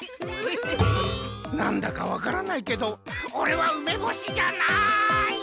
なんだかわからないけどオレはうめぼしじゃない！